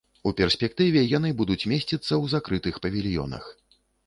У перспектыве яны будуць месціцца ў закрытых павільёнах.